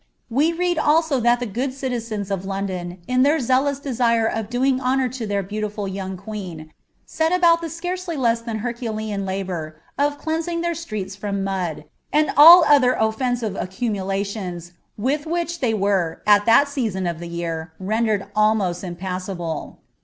We read also that lbs good citizens of London, in their zealous desire of doin? honour lo their beauliful young queen, set about the scarcely less thnn Hemilm labour of cleansing their streets from mud, and all other oilenaire Km mulalions, with which they were, at that season of the year, rendenl ahnosi impassable.